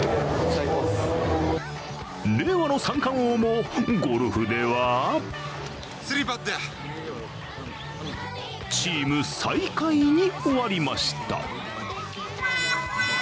令和の三冠王もゴルフではチーム最下位に終わりました。